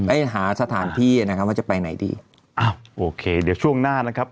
ให้หาสถานที่นะครับว่าจะไปไหนดีอ้าวโอเคเดี๋ยวช่วงหน้านะครับ